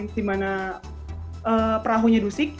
di mana perahunya dusik